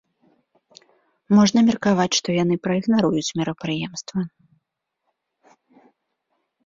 Можна меркаваць, што яны праігнаруюць мерапрыемства.